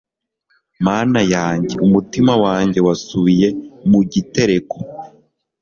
Mana yanjye umutima wanjye wasubiye mu gitereko